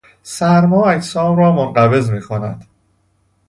سرما اجسام را منقبض میکند.